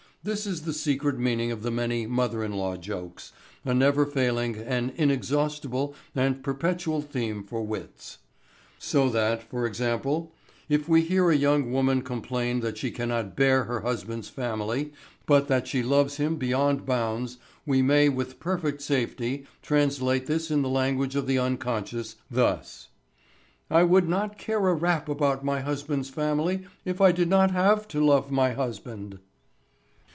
This is the secret meaning of the many mother in law jokes, a never failing and inexhaustible and perpetual theme for wits. So that, for example, if we hear a young woman complain that she cannot bear her husband's family but that she loves him beyond bounds we may with perfect safety translate this in the language of the unconscious thus: "I would not care a rap about my husband's family if I did not have to love my husband."